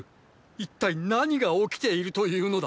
一体何が起きているというのだ？